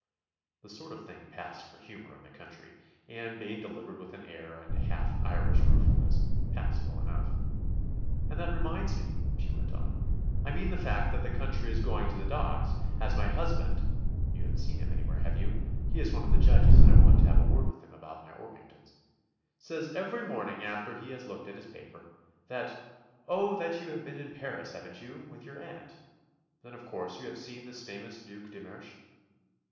The sort of thing passed for humour in the county, and, being delivered with an air and a half Irish ruefulness, passed well enough. "And that reminds me," she went on, " I mean the fact that the country is going to the dogs, as my husband [You haven't seen him anywhere, have you? He is one of the judges, and I want to have a word with him about my Orpingtons] says every morning after he has looked at his paper that ... oh, that you have been in Paris, haven't you? with your aunt. Then, of course, you have seen this famous Duc de Mersch?"